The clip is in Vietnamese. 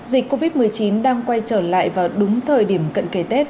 dịch covid một mươi chín đang quay trở lại vào đúng thời điểm cận kề tết